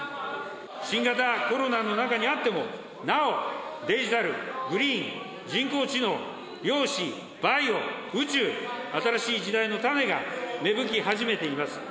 新型コロナの中にあっても、なおデジタル、グリーン、人工知能、量子、バイオ、宇宙、新しい時代の種が芽吹き始めています。